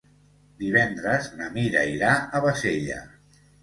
Divendres na Mira irà a Bassella.